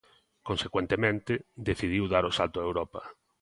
Consecuentemente, decidiu dar o salto a Europa.